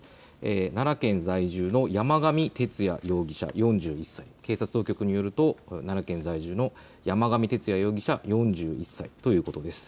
奈良県在住の山上徹也容疑者４１歳、警察当局によると奈良県在住の山上徹也容疑者４１歳ということです。